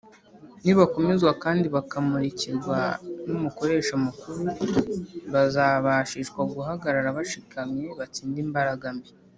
nibakomezwa kandi bakamurikirwa n’umukoresha mukuru, bazabashishwa guhagaraga bashikamye batsinde imbaraga mbi,